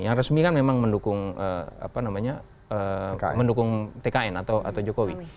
yang resmi kan memang mendukung tkn atau jokowi